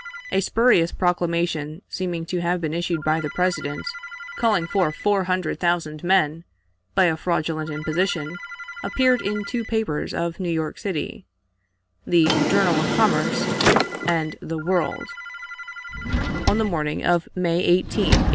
A spurious proclamation, seeming to have been issued by the President, calling for four hundred thousand men, by a fraudulent imposition appeared in two papers of New York City (the "Journal of Commerce" and the "World") on the morning of May 18, 1864.